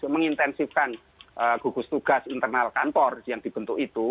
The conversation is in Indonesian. mengintensifkan gugus tugas internal kantor yang dibentuk itu